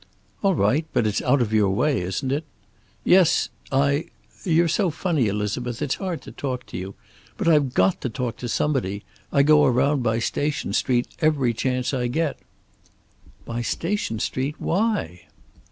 "All right. But it's out of your way, isn't it?" "Yes. I You're so funny, Elizabeth. It's hard to talk to you. But I've got to talk to somebody. I go around by Station Street every chance I get." "By Station Street? Why?"